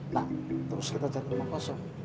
nah terus kita cari rumah kosong